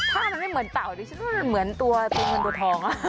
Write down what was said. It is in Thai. ถ้ามันไม่เหมือนเต่าดิฉันว่ามันเหมือนตัวเมืองเตอร์ทอง